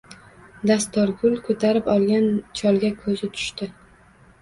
Dastorgul ko’tarib olgan cholga ko’zi tushdi.